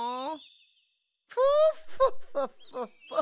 フォッフォッフォッフォッフォッ。